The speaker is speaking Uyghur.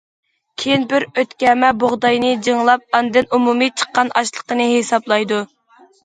كېيىن بىر ئۆتكەمە بۇغداينى جىڭلاپ، ئاندىن ئومۇمىي چىققان ئاشلىقىنى ھېسابلايدۇ.